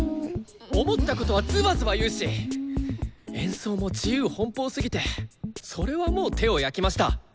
思ったことはズバズバ言うし演奏も自由奔放すぎてそれはもう手を焼きました。